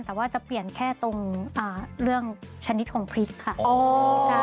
แต่ว่าจะเปลี่ยนแค่ตรงเรื่องชนิดของพริกค่ะ